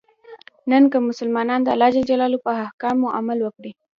نن که مسلمانان د الله ج په احکامو عمل وکړي.